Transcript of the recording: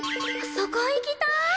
そこ行きたーい！